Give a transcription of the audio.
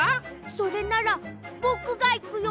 それならぼくがいくよ。